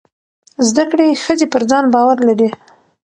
زده کړې ښځې پر ځان باور لري.